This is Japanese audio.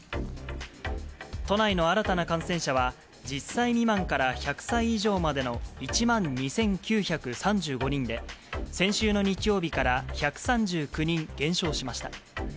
都内の新たな感染者は、１０歳未満から１００歳以上までの１万２９３５人で、先週の日曜日から１３９人減少しました。